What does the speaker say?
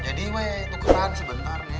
jadi weh tukeran sebentar neng